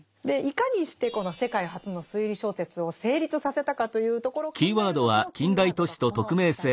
いかにしてこの世界初の推理小説を成立させたかというところを考える時のキーワードがこの２つだそうです。